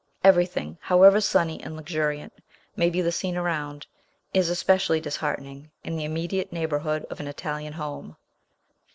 Everything, however sunny and luxuriant may be the scene around, is especially disheartening in the immediate neighborhood of an Italian home.